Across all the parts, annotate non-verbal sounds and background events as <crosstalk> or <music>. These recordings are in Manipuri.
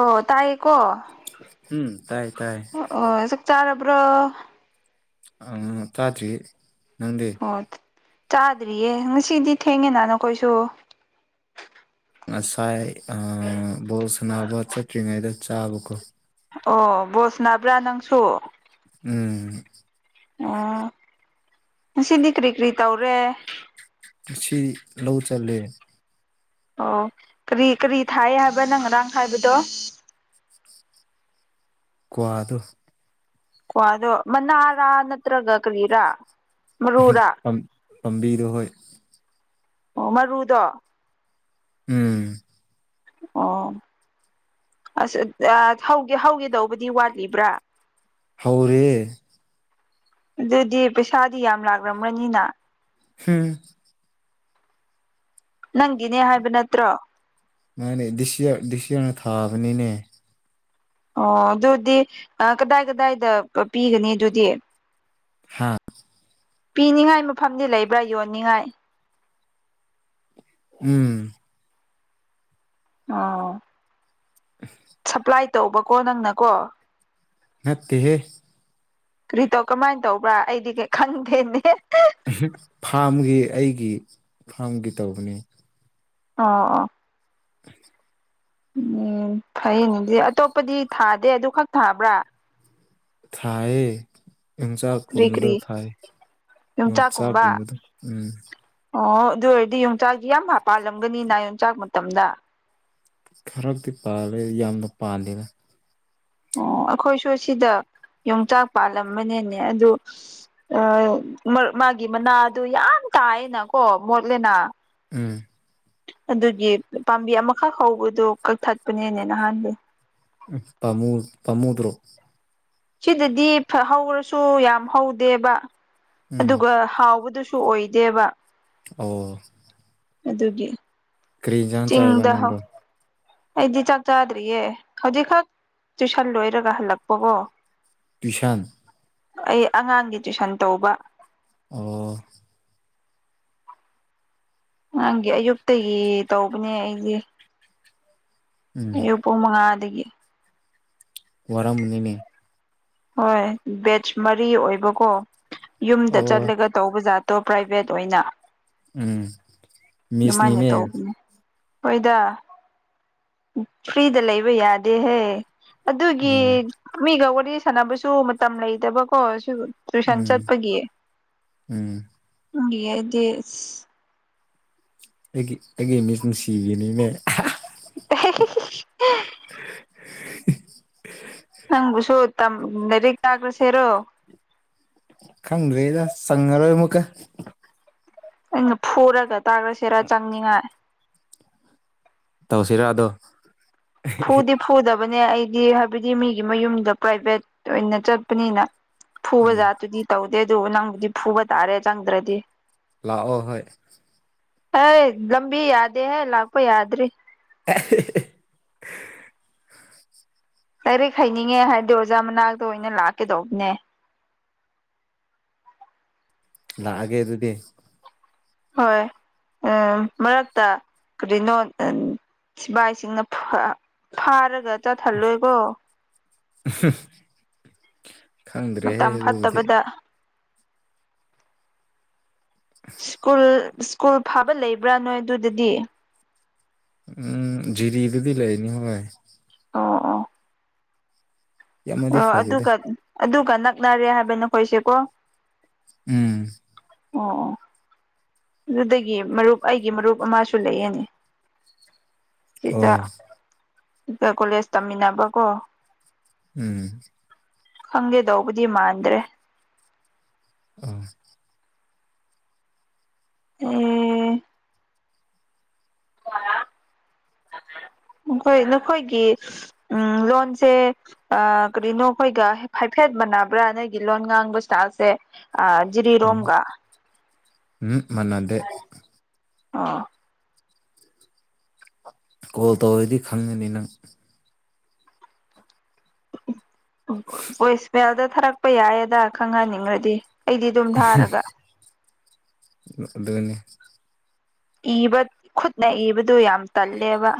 ꯑꯣ ꯇꯥꯏꯌꯦꯀꯣ ꯎꯝ ꯇꯥꯏ ꯇꯥꯏ ꯑꯣ ꯆꯛ ꯆꯥꯔꯕ ꯕꯣ ꯑ ꯇꯥꯗ꯭ꯔꯤ ꯅꯪꯗꯤ ꯑꯣ ꯆꯥꯗ꯭ꯔꯤꯌꯦ ꯉꯁꯤꯗꯤ ꯊꯦꯡꯉꯦꯅꯥ ꯅꯈꯣꯏꯁꯨ ꯉꯁꯥꯏ ꯕꯣꯜ ꯁꯥꯟꯅꯕ ꯆꯠꯇ꯭ꯔꯤꯉꯩꯗ ꯆꯥꯕꯀꯣ ꯑꯣ ꯕꯣꯁ ꯅꯕ꯭ꯔꯥ ꯅꯪꯁꯨ ꯎꯝ ꯑꯣ ꯉꯁꯤꯗꯤ ꯀꯔꯤ ꯀꯔꯤ ꯇꯧꯔꯦ ꯁꯤ ꯂꯧ ꯆꯠꯂꯦ ꯑꯣ ꯀꯔꯤ ꯀꯔꯤ ꯊꯥꯏ ꯍꯥꯏꯕ ꯅꯪ ꯉꯔꯥꯡ ꯍꯥꯏꯥꯏꯕꯗꯣ ꯀꯋꯥꯗꯨ ꯀꯣ ꯑꯗꯣ ꯃꯅꯥꯔꯥ ꯅꯠꯇ꯭ꯔꯒ ꯀꯔꯤꯔꯥ ꯃꯔꯨꯔꯥ ꯄꯥꯝꯕꯤꯗꯣ ꯍꯣꯏ ꯑꯣ ꯃꯔꯨꯗꯣ ꯎꯝ ꯑꯣ ꯑꯁ ꯍꯧꯒ ꯍꯧꯒꯦꯗꯧꯕꯗꯤ ꯋꯥꯠꯂꯤꯕ꯭ꯔꯥ ꯍꯧꯥꯎꯔꯤꯦ ꯑꯗꯨꯗꯤ ꯄꯩꯁꯥꯗꯤ ꯌꯥꯝ ꯂꯥꯛꯂꯝꯕ꯭ꯔꯅꯤꯅ ꯍꯝ ꯅꯪꯒꯤꯅꯦ ꯍꯥꯏꯕ ꯅꯠꯇ꯭ꯔꯣ ꯃꯥꯅꯦꯗꯤꯁꯤꯌꯥ ꯗꯤꯁꯤꯌꯥꯅ ꯊꯥꯕꯅꯤꯅꯦ ꯑꯣ ꯑꯗꯨꯗꯤ ꯀꯗꯥꯏ ꯀꯗꯥꯏꯗ ꯄꯤꯒꯅꯤ ꯑꯗꯨꯗꯤ ꯍꯥꯥ ꯄꯤꯅꯤꯡꯉꯥꯏ ꯃꯐꯝꯗꯤ ꯂꯩꯕ꯭ꯔꯥ ꯌꯣꯟꯅꯤꯡꯉꯥꯏ ꯎꯝ ꯑ ꯇꯧꯕꯀꯣ ꯅꯪꯅꯀꯣ ꯅꯠꯇꯦꯍꯦ ꯀꯔꯤꯇꯣ ꯀꯃꯥꯏꯅ ꯇꯧꯕ꯭ꯔꯥ ꯑꯩꯗꯤꯩ ꯈꯪꯗꯦꯅꯦ ꯐꯥꯔꯝꯒꯤ ꯑꯩꯒꯤ ꯐꯥꯝꯒꯤ ꯇꯧꯕꯅꯤ ꯑ ꯑ ꯎ ꯎꯝ ꯐꯩꯅꯦꯗꯤ ꯑꯇꯣꯞꯄꯗꯤ ꯊꯥꯗꯦ ꯑꯗꯨ ꯈꯛ ꯊꯥꯕ꯭ꯔꯥ ꯊꯌꯦ ꯀꯔꯤ ꯌꯣꯡꯆꯥꯛꯒꯨꯝꯕꯗ ꯀꯔꯤ ꯊꯥꯏ ꯌꯣꯡꯆꯥꯛꯀꯨꯝꯕ ꯌꯣꯡꯆꯥꯛꯒꯨꯝꯕꯗ ꯎꯝ ꯑꯣ ꯑꯗꯨ ꯑꯣꯏꯔꯗꯤ ꯌꯣꯡꯆꯥꯛꯁꯤ ꯌꯥꯝ ꯍꯥꯄꯥꯜꯂꯝꯒꯅꯤꯅ ꯌꯣꯡꯆꯥꯛ ꯃꯇꯝꯗ ꯈꯔꯗꯤ ꯄꯥꯜꯂꯦ ꯌꯥꯝꯅ ꯄꯥꯜꯂꯤꯅ ꯑꯣ ꯑꯩꯈꯣꯏꯁꯨ ꯁꯤꯗ ꯌꯣꯡꯆꯥꯛ ꯄꯥꯜꯂꯝꯕꯅꯦꯅꯦ ꯑꯗꯨ ꯑ ꯃꯥꯒꯤ ꯃꯅꯥ ꯑꯗꯨ ꯌꯥꯝ ꯇꯥꯏꯅ ꯀꯣ ꯃꯔꯂꯅ ꯎꯝ ꯑꯗꯨꯒꯤ ꯄꯥꯝꯕꯤ ꯑꯃꯈꯛ ꯍꯧꯕꯗꯨꯣ ꯀꯛꯊꯠꯄꯅꯦꯅꯦ ꯅꯍꯥꯟꯗꯤ ꯇꯃꯨ ꯇꯃꯨꯗꯔꯣ ꯁꯤꯗꯗꯤ ꯍꯧꯔꯁꯨ ꯌꯥꯝ ꯍꯧꯗꯦꯕ ꯎꯝ ꯑꯗꯨꯒ ꯍꯥꯎꯕꯗꯨꯁꯨ ꯁꯨ ꯑꯣꯏꯗꯦꯕ ꯑꯣ ꯑꯗꯨꯒꯤ ꯀꯔꯤꯖꯟ ꯆꯤꯡꯗ ꯍꯧ ꯆꯥꯕꯅꯗꯣ ꯑꯩꯗꯤ ꯆꯥꯛ ꯆꯥꯗ꯭ꯔꯤꯌꯦ ꯍꯧꯖꯤꯛꯈꯛ ꯇꯨꯏꯁꯟ ꯂꯣꯏꯔꯒ ꯍꯜꯂꯛꯄꯕꯣ ꯇ꯭ꯨꯏꯁꯟ ꯑꯩ ꯑꯉꯥꯡꯒꯤ ꯇꯨꯏꯁꯟ ꯇꯧꯕ ꯑꯣ ꯅꯪꯒꯤ ꯑꯌꯨꯛꯇꯒꯤ ꯇꯧꯕꯅꯦ ꯑꯩꯗꯤ ꯎꯝ ꯑꯨ ꯄꯨꯡ ꯃꯉꯥ ꯑꯗꯨꯗꯒꯤ ꯋꯥꯔ ꯃꯅꯤꯅꯦ ꯍꯣꯏ ꯕꯦꯆ ꯃꯔꯤ ꯑꯣꯏꯕꯀꯣ ꯌꯨꯝꯗ ꯑꯣ ꯆꯠꯂꯒ ꯇꯧꯕ ꯖꯥꯠ ꯣ ꯄ꯭ꯔꯥꯏꯚꯦꯠ ꯑꯣꯏꯅ ꯎꯝ ꯑꯗꯨꯃꯥꯏꯅ ꯃꯤꯁꯅꯤꯅꯦ ꯇꯧꯕꯅꯦ ꯍꯣꯏꯗ ꯐ꯭ꯔꯤꯗ ꯂꯩꯕ ꯌꯥꯗꯦꯍꯦ ꯑꯗꯨꯒꯤ ꯑꯣ ꯃꯤꯒ ꯋꯥꯔꯤ ꯁꯥꯟꯅꯕꯁꯨ ꯃꯇꯝ ꯂꯩꯇꯕꯀꯣ ꯇꯨꯁꯥꯟ ꯎꯝ ꯎꯝ ꯆꯠꯄꯒꯤꯑꯑꯗꯤꯁ ꯑꯩꯒꯤ ꯑꯩꯒꯤ ꯃꯤꯁ ꯅꯨꯡꯁꯤꯕꯤꯅꯤꯅꯦ <unintelligible> <unintelligible> ꯅꯪꯕꯨꯁꯨ ꯇꯝ ꯅꯔꯤ ꯀꯥꯒ꯭ꯔꯁꯦꯔꯣ ꯈꯪꯗ꯭ꯔꯦꯗ ꯆꯪꯉꯔꯣꯏ ꯃꯨꯀ ꯑꯩꯅ ꯐꯨꯔꯒ ꯇꯥꯈ꯭ꯔꯁꯤꯔꯥ ꯆꯪꯅꯤꯉꯥꯏ ꯇꯁꯔꯥꯗ ꯐꯨꯗꯤ ꯐꯨꯗꯕꯅꯦ ꯑꯩꯗꯤ ꯍꯥꯏꯕꯗꯤ ꯃꯤꯒꯤ ꯃꯌꯨꯝꯗ ꯄ꯭ꯔꯥꯏꯚꯦꯠ ꯑꯣꯏꯅ ꯆꯠꯄꯅꯤꯅ ꯎꯝ ꯐꯨꯕꯖꯥꯠꯇꯨꯗꯤ ꯇꯧꯗꯦ ꯑꯗꯨꯕꯨ ꯅꯪꯕꯨꯗꯤ ꯐꯨꯕ ꯇꯥꯔꯦ ꯆꯪꯗ꯭ꯔꯗꯤ ꯂꯥꯛꯑꯣ ꯍꯣꯏ ꯑꯦ ꯂꯝꯕꯤ ꯌꯥꯗꯦꯍꯦ ꯂꯥꯛꯄ ꯌꯥꯗꯔꯤ <unintelligible> ꯂꯥꯏꯔꯤꯛ ꯍꯩꯅꯤꯡꯉꯦ ꯍꯥꯏꯔꯗꯤ ꯑꯣꯖꯥ ꯃꯅꯥꯛꯇ ꯑꯣꯏꯅ ꯂꯥꯛꯀꯦ ꯇꯧꯕꯅꯦ ꯂꯥꯛꯑꯒꯦ ꯑꯗꯨꯗꯤ ꯍꯣꯏ ꯎꯝ ꯃꯔꯛꯇ ꯀꯔꯤꯅꯣ ꯁꯤꯕꯥꯏꯁꯤꯡꯅ ꯐꯥꯔꯒ ꯆꯠꯍꯜꯂꯣꯏꯀꯣ ꯈꯪꯗ꯭ꯔꯦꯍꯦ ꯃꯇꯝ ꯑꯗꯨꯕꯨꯗꯤ ꯐꯠꯇꯕꯗ ꯁ꯭ꯀꯨꯜ ꯁ꯭ꯀꯨꯜ ꯐꯥꯕ ꯂꯩꯕ꯭ꯔꯥ ꯅꯣꯏ ꯑꯗꯨꯗꯗꯤ ꯎꯝ ꯖꯤꯔꯤ ꯗꯗꯤ ꯂꯩꯕꯅꯤ ꯍꯣꯏ ꯑꯣ ꯑꯣ ꯌꯥꯝꯅꯗꯤ ꯑꯣ ꯐꯗꯦꯗ ꯑꯗꯨꯒ ꯑꯗꯨꯒ ꯅꯛꯅꯔꯦ ꯍꯥꯏꯕ ꯅꯈꯣꯏꯁꯦꯀꯣ ꯎꯝ ꯑꯣ ꯑꯣ ꯑꯗꯨꯗꯒꯤ ꯃꯔꯨꯞ ꯑꯩꯒꯤ ꯃꯔꯨꯞ ꯑꯃꯁꯨ ꯂꯩꯑꯅꯤ ꯑ ꯀꯣꯂꯦꯖ ꯇꯝꯃꯤꯟꯅꯕꯀꯣ ꯎꯝ ꯈꯪꯒꯦ ꯇꯧꯕꯗꯤ ꯃꯥꯟꯗ꯭ꯔꯦ ꯑ ꯑꯦ ꯑ <inaudible> ꯅꯈꯣꯏ ꯅꯈꯣꯏꯒꯤ ꯎ ꯂꯣꯟꯁꯦ ꯀꯔꯤꯅꯣ ꯑꯩꯈꯣꯏꯒ ꯍꯥꯏꯐꯦꯠ ꯃꯥꯟꯅꯕ꯭ꯔꯥ ꯅꯣꯏꯒꯤ ꯂꯣꯟ ꯉꯥꯡꯕ ꯏꯁꯇꯥꯜꯁꯦ ꯎꯝ ꯖꯤꯔꯤꯔꯣꯝꯒ ꯎꯝ ꯃꯅꯗꯦ ꯑꯥ ꯀꯣꯜ ꯇꯧꯔꯗꯤ ꯈꯪꯒꯅꯤ ꯅꯪ ꯚꯣꯏꯁ ꯃꯦꯜꯗ ꯊꯥꯔꯛꯄ ꯌꯥꯏꯌꯦꯗ ꯈꯪꯍꯟꯅꯤꯡꯉ꯭ꯔꯗꯤ ꯑꯩꯗꯤ ꯑꯗꯨꯝ ꯊꯥꯔꯒ ꯑꯗꯨꯅꯤ ꯏꯕ ꯈꯨꯠꯅ ꯏꯕꯗꯨ ꯌꯥꯝ ꯇꯜꯂꯦꯕ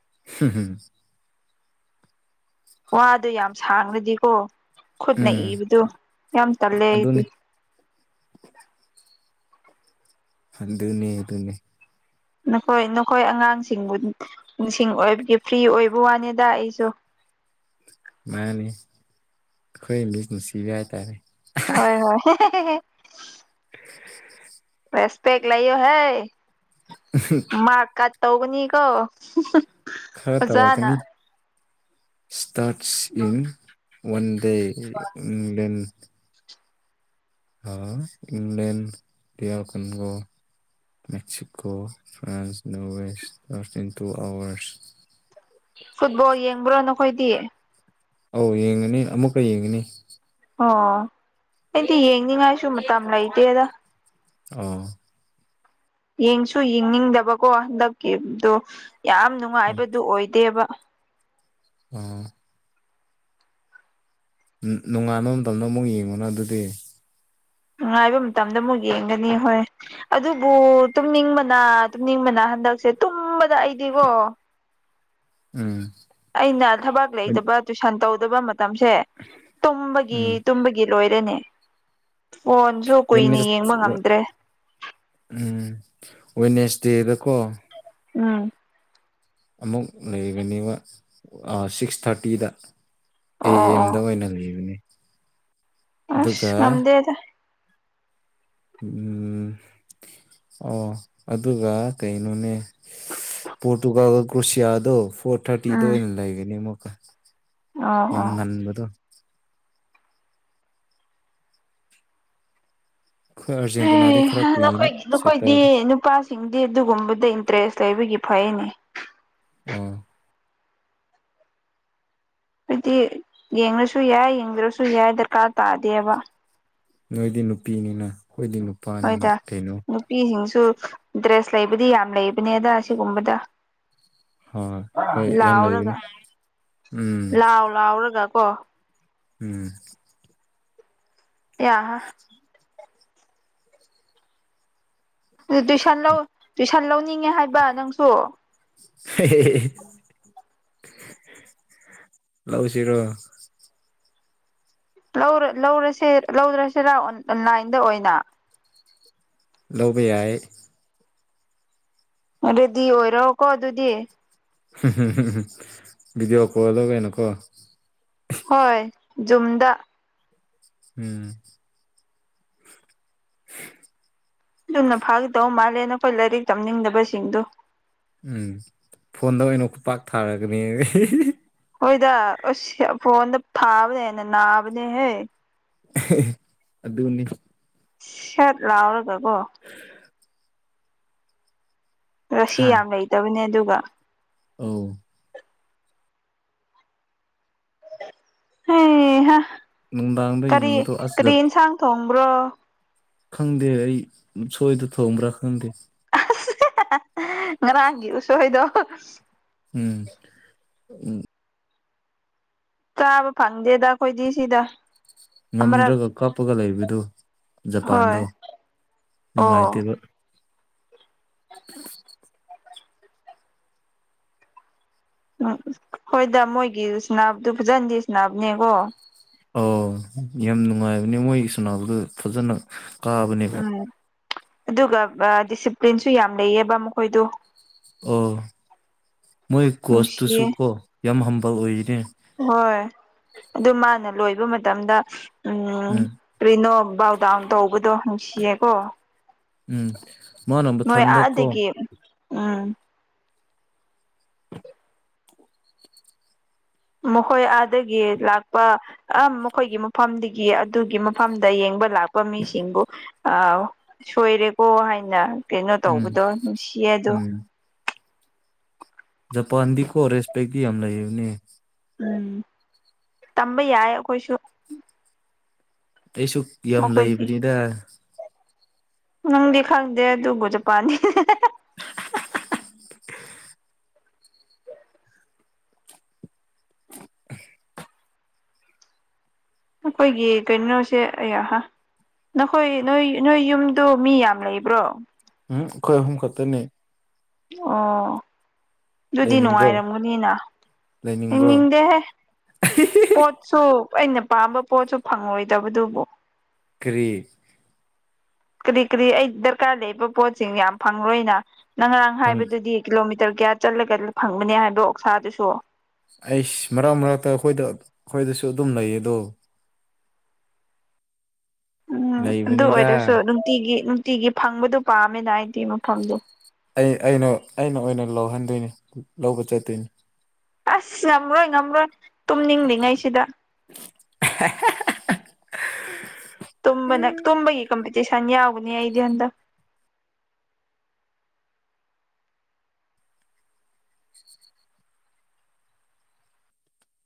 <unintelligible> ꯋꯥꯗꯣ ꯌꯥꯝ ꯁꯥꯡꯅꯗꯤꯀꯣ ꯈꯨꯨꯠ ꯅ ꯎꯝ ꯏꯕꯗꯨ ꯌꯥꯝ ꯇꯜꯂꯦ ꯑꯩꯗꯤ ꯑꯗꯨꯅꯤ ꯍ ꯑꯗꯨꯅꯦ ꯑꯗꯨꯅꯦ ꯅꯈꯣꯏ ꯅꯈꯣꯏ ꯑꯉꯥꯡꯁꯤꯡꯕꯨ ꯅꯤꯡꯁꯤꯡ ꯑꯣꯏꯕꯒꯤ ꯐ꯭ꯔꯤ ꯑꯣꯏꯕ ꯋꯥꯅꯤꯗ ꯑꯩꯁꯨ ꯃꯥꯅꯤ ꯈꯣꯏ ꯃꯤꯁꯅ ꯁꯤꯤ ꯌꯥꯏ ꯇꯔꯦ ꯍꯣꯏ ꯍꯣꯏ ꯔꯦꯁꯄꯦꯛ ꯂꯩꯌꯣ ꯍꯥꯏ ꯃꯥ ꯀꯠ ꯇꯧꯒꯅꯤꯀꯣ ꯈꯔ ꯇꯧꯔꯛꯀꯅꯤ ꯑꯣꯖꯥꯅ ꯏꯁꯇꯥꯔꯠꯁ ꯏꯟ ꯋꯥꯟ ꯑꯗꯩ ꯏꯪꯂꯂꯦꯟ ꯏꯪꯂꯦꯟ ꯌꯥꯔ ꯀꯕꯨꯣ ꯃꯦꯛꯦꯛꯁꯤꯀꯣ ꯐ꯭ꯔꯥꯟꯁ ꯅꯣ west within two hours football ꯌꯦꯡꯕ꯭ꯔꯥ ꯅꯈꯣꯏꯗꯤ ꯑꯧ ꯌꯦꯡꯉꯅꯤ ꯑꯃꯨꯛꯀ ꯌꯦꯡꯉꯅꯤ ꯑꯣ ꯑꯩꯗꯤ ꯌꯦꯡꯅꯤꯡꯉꯥꯏꯁꯨ ꯃꯇꯝ ꯂꯩꯇꯦꯗ ꯑ ꯌꯦꯡꯁꯨ ꯌꯦꯡꯅꯤꯡꯗꯕꯀꯣ ꯍꯟꯗꯛꯀꯤꯗꯣ ꯌꯥꯝ ꯅꯨꯡꯉꯥꯏꯕꯗꯨ ꯑꯣꯏꯗꯦꯕ ꯎꯝ ꯅꯣꯡꯉꯥꯕ ꯃꯇꯝꯗ ꯑꯃꯨꯛ ꯌꯦꯡꯉꯨꯅ ꯑꯗꯨꯗꯤ ꯅꯨꯡꯉꯥꯏꯕ ꯃꯇꯝꯗ ꯑꯃꯨꯛ ꯌꯦꯡꯒꯅꯤ ꯍꯣꯏ ꯑꯗꯨꯕꯨ ꯇꯨꯝꯅꯤꯡꯕꯅ ꯇꯨꯝꯅꯤꯡꯕꯅ ꯍꯟꯗꯛꯁꯦ ꯇꯨꯝꯕꯗ ꯑꯩꯗꯤꯀꯣ ꯎꯝ ꯑꯩꯅ ꯊꯕꯛ ꯂꯩꯇꯕ ꯇꯨꯏꯁꯟ ꯇꯧꯗꯕ ꯃꯇꯝꯁꯦ ꯇꯨꯝꯕꯒꯤ ꯎꯝ ꯇꯨꯝꯕꯒꯤ ꯂꯣꯏꯔꯦꯅꯦ ꯐꯣꯟꯁꯨ ꯀꯨꯏꯅ ꯋꯦꯠꯅꯦꯁ ꯌꯦꯡꯕ ꯉꯝꯗ꯭ꯔꯦ ꯋꯦꯠꯅꯦꯁ ꯗꯦꯗꯀꯣ ꯎꯝ ꯑꯃꯨꯛ ꯂꯩꯒꯅꯦꯕ ꯁꯤꯛꯁ ꯊꯥꯔꯇꯤꯗ ꯑꯦ ꯑꯣ ꯑꯦꯝꯗ ꯑꯣꯏꯅ ꯂꯩꯕꯅꯦ ꯑ ꯉꯗꯦꯗ ꯎꯝ ꯑꯣ ꯑꯗꯨꯒ ꯀꯩꯅꯣꯅꯦ ꯄꯣꯣꯔꯇꯨꯒꯜ ꯀ꯭ꯁꯤꯤ ꯑꯗꯣ ꯐꯣꯔ ꯊꯥꯔꯇꯤꯗ ꯎꯝ ꯑꯣꯏꯅ ꯂꯩꯒꯅꯤ ꯑꯃꯨꯛꯀ ꯑꯣ ꯌꯥꯝ ꯑꯣ ꯉꯟꯕꯗꯣ ꯑꯩꯈꯣꯏ ꯑꯥꯔꯖꯦꯟꯇꯤꯅꯥꯗꯤ ꯈꯔ ꯀꯨꯏꯅꯤ ꯅꯈꯣꯏ ꯅꯈꯣꯏꯗꯤ ꯁꯦꯇꯔꯗꯤ ꯅꯨꯄꯥꯁꯤꯡꯗꯤ ꯑꯗꯨꯒꯨꯝꯕꯗ ꯏꯟꯇꯔꯦꯁ ꯇꯩꯕꯒꯤ ꯐꯩꯅꯦ ꯑꯣ ꯍꯥꯏꯗꯤ ꯌꯦꯡꯂꯡꯉꯁꯨ ꯌꯥꯏ ꯌꯦꯡꯗ꯭ꯔꯁꯨ ꯌꯥꯏ ꯗꯔꯀꯥꯔ ꯇꯥꯗꯦꯕ ꯅꯣꯏꯗꯤ ꯅꯨꯄꯤꯅꯤꯅ ꯑꯩꯈꯣꯏꯗꯤ ꯅꯨꯄꯥꯅꯤꯅ ꯃꯣꯏꯗ ꯀꯩꯅꯣ ꯅꯨꯄꯤꯁꯤꯡꯁꯨ ꯗ꯭ꯔꯦꯁ ꯂꯩꯕꯗꯤ ꯌꯥꯝ ꯂꯩꯕꯅꯦꯗ ꯁꯤꯒꯨꯝꯕꯗ ꯍꯣꯏ ꯍꯣꯏ ꯌꯥꯝ ꯂꯥꯎꯔꯒ ꯂꯩꯕꯅꯤ ꯎꯝ ꯂꯥꯎꯑꯣ ꯂꯥꯎꯔꯒ ꯀꯣ ꯎꯝ ꯑ ꯍ ꯑꯗꯨ ꯇꯨꯏꯁꯟ ꯂꯧ ꯇꯨꯏꯁꯟ ꯂꯧꯅꯤꯡꯉꯦ ꯍꯥꯏꯕ ꯅꯪꯁꯨ ꯍ ꯂꯧꯥꯎꯁꯤꯔꯣ ꯂꯧꯔꯁꯦ ꯂꯧꯗ꯭ꯔꯁꯤꯔꯟꯂꯥꯏꯟꯗ ꯑꯣꯏꯅ ꯂꯧꯕꯧꯕ ꯌꯥꯏ ꯔꯦꯗꯤ ꯑꯣꯏꯔꯣꯀꯣ ꯑꯗꯨꯗꯤ ꯕꯤꯗꯤꯑꯣ ꯀꯣꯗ ꯀꯩꯅꯣꯀꯣ ꯍꯣꯏ ꯨꯝꯗ ꯎꯝ ꯑꯗꯨꯝꯅ ꯐꯥꯒꯗꯧ ꯃꯥꯜꯂꯦ ꯅꯈꯣꯏ ꯂꯥꯏꯔꯤꯛ ꯇꯝꯅꯤꯡꯗꯕꯁꯤꯡꯗꯨ ꯎꯝ ꯐꯣꯟꯗꯩꯅꯣ ꯈꯨꯄꯥꯛꯥꯛ ꯊꯥꯔꯒꯅꯤ ꯍꯣꯏꯗ ꯐꯣꯟꯗ ꯊꯥꯕꯅꯦꯅ ꯅꯥꯕꯅꯦꯍꯦ ꯑꯗꯨꯗ ꯎꯟꯅꯅꯤ ꯁꯦꯠ ꯂꯥꯎꯔꯒꯀꯣ ꯁꯤ ꯌꯥꯝ ꯂꯩꯇꯕꯅꯦ ꯑꯗꯨꯒ ꯑ ꯍꯝ ꯅꯨꯡꯗꯥꯡꯗ ꯀꯔꯤ ꯌꯦꯡꯕꯗꯣ ꯑꯁ ꯀꯔꯤ ꯖꯞ ꯑꯦꯟꯁꯥꯡ ꯊꯣꯡꯕ꯭ꯔꯣ ꯈꯪꯗꯦ ꯑꯩ ꯁꯣꯏꯗ ꯊꯣꯡꯕ꯭ꯔꯥ ꯈꯪꯗꯦ ꯉꯔꯥꯡꯒꯤ ꯎꯁꯣꯏꯗꯣ ꯎꯝ ꯎꯝ ꯆꯥꯕ ꯐꯪꯗꯦꯗ ꯑꯩꯈꯣꯏꯗꯤ ꯁꯤꯗ ꯑꯃꯔꯛ ꯉꯝꯗ꯭ꯔꯒ ꯀꯥꯞꯄꯒ ꯂꯩꯕꯗꯨ ꯖꯄꯥꯟꯗꯣ ꯍꯣꯏ ꯑꯣ ꯅꯨꯡꯉꯥꯏꯇꯦꯕ ꯎꯝ ꯎꯝ ꯍꯣꯏꯗ ꯃꯣꯏꯒꯤꯁꯅꯥꯕꯗꯨ ꯐꯖꯍꯟꯗꯤꯦꯁꯅꯕꯅꯦꯀꯣ ꯑꯣ ꯌꯥꯝ ꯅꯨꯡꯉꯥꯏꯕꯅꯦ ꯃꯣꯏꯒꯤ ꯁꯅꯥꯗꯨꯗꯨ ꯐꯖꯅ ꯀꯥꯕꯅꯦꯕ ꯎꯝ ꯑꯗꯨꯒ ꯗꯤꯁꯤꯄ꯭ꯂꯤꯟꯁꯨ ꯌꯥꯝ ꯂꯩꯑꯕ ꯃꯈꯣꯏꯗꯨ ꯑꯣ ꯃꯣꯏ ꯅꯨꯡꯁꯤꯌꯦ ꯀꯣꯁꯇꯨꯁꯨ ꯀꯣ ꯌꯥꯝ ꯍꯝꯕ ꯑꯣꯏ ꯍꯣꯏ ꯑꯗꯨ ꯃꯥꯅ ꯂꯣꯏꯕ ꯃꯇꯝꯗ ꯎꯝ ꯀꯔꯤꯅꯣ ꯕꯥꯎꯗꯥꯎꯟ ꯇꯧꯕꯗꯣ ꯍꯪꯁꯤꯌꯦ ꯎꯝ ꯃꯥ ꯅꯝꯕ ꯅꯣꯏ ꯊꯟꯗꯛꯀꯣ ꯑꯥꯗꯒꯤ ꯎꯝ ꯃꯈꯣꯏ ꯑꯥꯗꯒꯤ ꯂꯥꯛꯄ ꯑ ꯃꯈꯣꯏꯒꯤ ꯃꯐꯝꯗꯒꯤ ꯑꯗꯨꯒꯤ ꯃꯐꯝꯗ ꯌꯦꯡꯕ ꯂꯥꯛꯄ ꯂꯄ ꯃꯤꯁꯤꯡꯕꯨ ꯑ ꯁꯣꯏꯔꯦꯀꯣ ꯍꯥꯏꯅ ꯀꯩꯅꯣ ꯎꯝ ꯇꯧꯕꯗꯣ ꯅꯨꯡꯁꯤꯌꯦ ꯑꯗꯣ ꯄꯥꯟꯗꯤ ꯀꯣ ꯔꯦꯁꯄꯦꯛꯗꯤ ꯌꯥꯝ ꯂꯩꯅꯤ ꯎꯝ ꯇꯝꯕ ꯌꯥꯏ ꯑꯩꯈꯣꯏꯁꯨ ꯑꯩꯁꯨ ꯌꯥꯝ ꯂꯩꯕꯅꯤꯗ ꯃꯅꯨꯡꯗꯤ ꯈꯪꯗ ꯒ ꯆ ꯄꯅꯤ ꯑꯩꯈꯣꯏꯒꯤ ꯀꯩꯅꯩꯅꯣꯁꯦ ꯑ ꯅꯈꯣꯏ ꯅꯣꯏ ꯅꯣꯏ ꯌꯨꯝꯗ ꯃꯤ ꯌꯥꯝ ꯂꯩꯕ꯭ꯔꯣ ꯎꯝ ꯑꯩꯈꯣꯏ ꯑꯍꯨꯝ ꯈꯛꯇꯅꯦ ꯑꯣ ꯑꯗꯨꯗꯤ ꯂꯩꯅꯤꯡꯕ꯭ꯔꯣ ꯅꯨꯡꯉꯥꯏꯔꯝꯒꯅꯤꯅ ꯂꯩꯅꯤꯡꯕ꯭ꯔꯣ ꯑꯩꯡꯅꯤꯡꯗꯦꯍꯦ ꯄꯣꯠꯁꯨ ꯑꯩꯅ ꯄꯥꯝꯕ ꯄꯣꯠꯁꯨ ꯐꯪꯉꯣꯏꯗꯕꯗꯨꯕꯨ ꯀꯔꯤ ꯀꯔꯤ ꯀꯔꯤ ꯑꯩ ꯗꯔꯀꯥꯔ ꯂꯩꯕ ꯄꯣꯠꯁꯤꯡ ꯌꯥꯝ ꯐꯪꯪꯂꯣꯏꯅ ꯅꯔꯥꯡ ꯐꯪ ꯍꯥꯏꯕꯗꯨꯗꯤ ꯀꯤꯂꯣꯃꯤꯇꯔ ꯇꯔ ꯀꯌꯥ ꯆꯠꯂꯒ ꯐꯪꯕꯅꯦ ꯍꯥꯏꯕ ꯑꯣꯛꯁꯥꯗꯨꯁꯨ ꯑꯩꯁ ꯃꯔꯛ ꯃꯔꯛꯇ ꯑꯩꯈꯣꯏꯗ ꯑꯩꯈꯣꯏꯗꯁꯨ ꯑꯗꯨꯝ ꯂꯩꯌꯦ ꯑꯗꯣ ꯎꯝ ꯑꯗꯨ ꯂꯩꯕꯅꯤꯗ ꯑꯣꯏꯔꯁꯨ ꯅꯨꯡꯇꯤꯒꯤ ꯅꯨꯡꯇꯤꯒꯤ ꯐꯪꯕꯗꯨ ꯄꯥꯝꯃꯤꯅ ꯍꯥꯏꯗꯤ ꯃꯐꯝꯗꯨꯣ ꯑꯩ ꯑꯩꯅ ꯑꯩꯅ ꯑꯣꯏꯅ ꯂꯧꯍꯟꯗꯣꯏꯅꯤ ꯂꯧꯕ ꯆꯠꯇꯣꯏꯅꯤ ꯑꯁ ꯉꯝꯔꯣꯏ ꯉꯝꯔꯣꯏ ꯇꯨꯝꯅꯤꯡꯂꯤꯉꯩꯁꯤꯗ <unintelligible> ꯇꯅ ꯇꯨꯝꯕꯒꯤ ꯀꯝꯄꯤꯇꯤꯁꯟ ꯌꯥꯎꯒꯅꯤ ꯑꯩꯗꯤ ꯍꯟꯗ